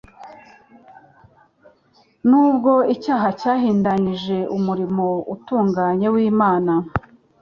Nubwo icyaha cyahindanyije umurimo utunganye w'Imana,